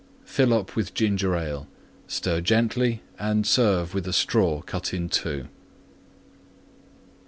Fill up with Ginger Ale; stir gently and serve with a Straw cut in two.